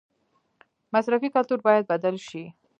مصرفي کلتور باید بدل شي